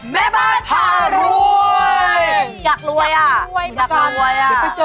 แม่บ้านผ่ารวย